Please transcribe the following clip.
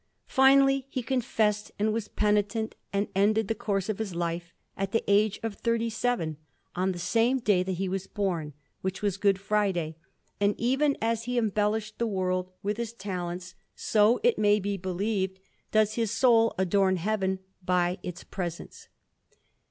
Finally, he confessed and was penitent, and ended the course of his life at the age of thirty seven, on the same day that he was born, which was Good Friday. And even as he embellished the world with his talents, so, it may be believed, does his soul adorn Heaven by its presence.